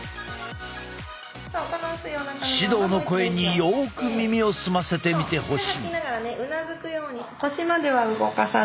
指導の声によく耳を澄ませてみてほしい。